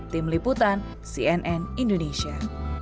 tim liputan cnn indonesia